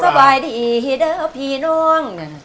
สบายดีเด้อพี่น้อง